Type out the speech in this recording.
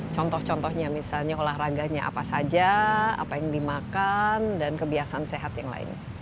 contoh contohnya misalnya olahraganya apa saja apa yang dimakan dan kebiasaan sehat yang lain